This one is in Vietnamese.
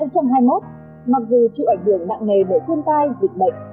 trong năm hai nghìn hai mươi một mặc dù chịu ảnh hưởng nặng nề bởi thương tai dịch bệnh